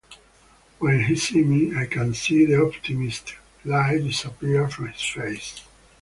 When he see me, I can see the optimistic light disappear from his face.